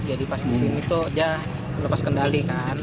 jadi pas disini tuh dia lepas kendali kan